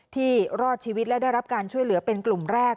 รอดชีวิตและได้รับการช่วยเหลือเป็นกลุ่มแรก